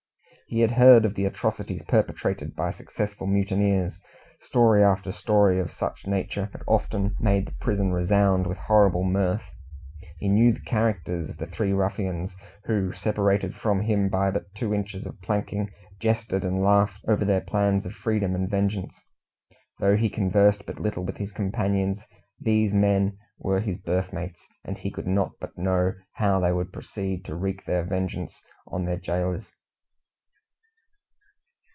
He had heard of the atrocities perpetrated by successful mutineers. Story after story of such nature had often made the prison resound with horrible mirth. He knew the characters of the three ruffians who, separated from him by but two inches of planking, jested and laughed over their plans of freedom and vengeance. Though he conversed but little with his companions, these men were his berth mates, and he could not but know how they would proceed to wreak their vengeance on their gaolers.